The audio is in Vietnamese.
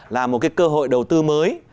là một cái cơ hội đầu tư mới